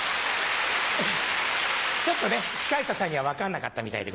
ちょっとね司会者さんには分かんなかったみたいで。